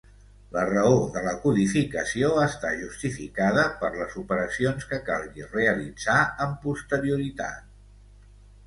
La raó de la codificació està justificada per les operacions que calgui realitzar amb posterioritat.